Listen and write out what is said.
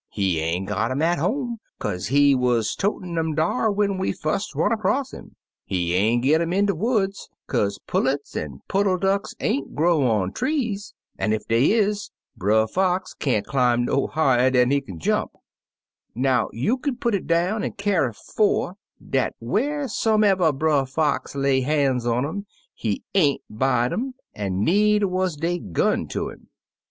He ain't git um at home, kaze he wuz totin' um dar when we fust ran across 'im; he ain't git um in de woods, kaze pullets an' puddle ducks ain't grow on trees — an' ef dey is. Brer Fox can't dim' no higher dan he kin jump. Now, you kin put it down an' carry four, dat wharsomever Brer Fox lay ban's on um, he ain't buy^d um, an' needer wuz dey gun ter 'im.